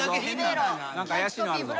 何か怪しいのあるぞ。